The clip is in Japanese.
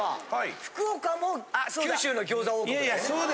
福岡も九州の餃子王国だ。